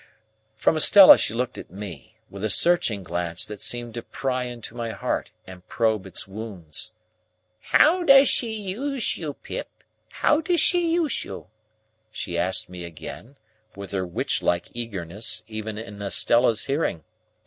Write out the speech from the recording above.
From Estella she looked at me, with a searching glance that seemed to pry into my heart and probe its wounds. "How does she use you, Pip; how does she use you?" she asked me again, with her witch like eagerness, even in Estella's hearing.